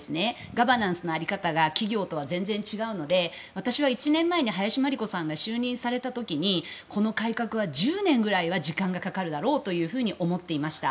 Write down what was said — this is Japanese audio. ガバナンスの在り方が企業とは全然違うので私は１年前に林真理子さんが就任された時にこの改革は１０年くらいは時間がかかるだろうと思っていました。